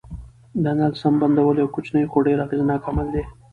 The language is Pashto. د نل سم بندول یو کوچنی خو ډېر اغېزناک عمل دی.